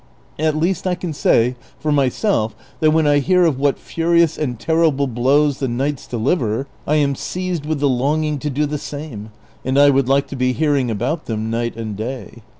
At least I can say for myself that when I hear of what furious and terrible blows the knights deliver, I am seized with the longing to do the same, and I would like to be hearing about them night and day."